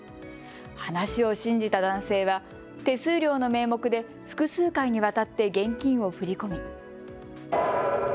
話を信じた男性は手数料の名目で複数回にわたって現金を振り込み。